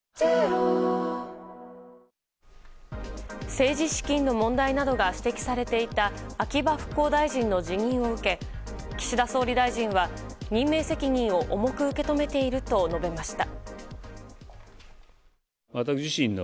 政治資金の問題などが指摘されていた秋葉復興大臣の辞任を受け岸田総理大臣は、任命責任を重く受け止めていると述べました。